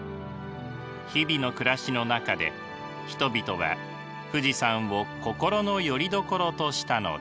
日々の暮らしの中で人々は富士山を心のよりどころとしたのです。